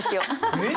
えっ！？